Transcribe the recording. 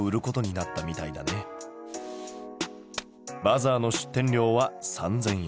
バザーの出店料は３，０００円。